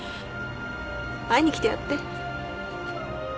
会いに来てやって。